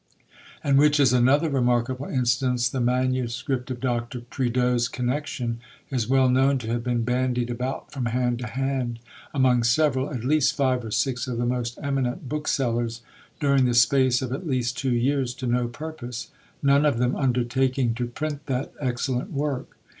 And which is another remarkable instance, the manuscript of Dr. Prideaux's 'Connection' is well known to have been bandied about from hand to hand among several, at least five or six, of the most eminent booksellers, during the space of at least two years, to no purpose, none of them undertaking to print that excellent work.